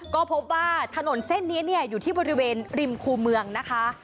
ก็พบว่าถนนเส้นนี้อยู่ที่บริเวณริมคูเมืองนะคะ